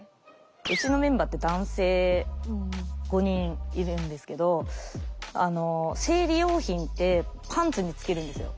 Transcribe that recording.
うちのメンバーって男性５人いるんですけど生理用品ってパンツにつけるんですよ。